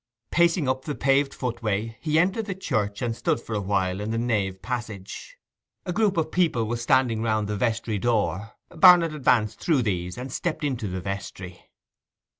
Pacing up the paved footway he entered the church and stood for a while in the nave passage. A group of people was standing round the vestry door; Barnet advanced through these and stepped into the vestry.